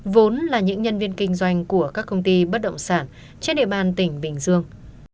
vốn là những nhân viên kinh doanh của các công ty bất động sản trên địa bàn tỉnh bình dương